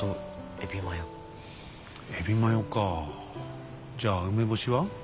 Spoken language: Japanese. エビマヨかあじゃあ梅干しは？